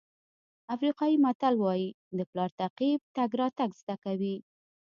افریقایي متل وایي د پلار تعقیب تګ راتګ زده کوي.